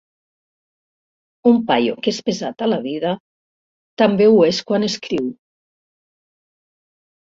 Un paio que és pesat a la vida també ho és quan escriu.